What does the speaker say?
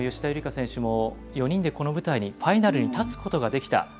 夕梨花選手も４人でこの舞台にファイナルに立つことができた。